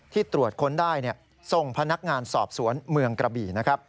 ที่ตรวจค้นได้ส่งพนักงานสอบสวนเมืองกระบี่